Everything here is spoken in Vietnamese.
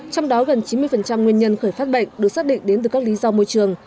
trong đó gần chín mươi nguyên nhân khởi phát bệnh được xác định đến từ các lý do môi trường